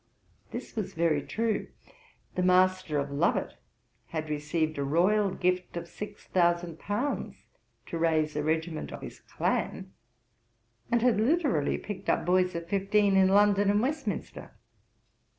This was very true; the Master of Lovat had received a Royal gift of £6000 to raise a regiment of his clan, and had literally picked up boys of fifteen in London and Westminster.'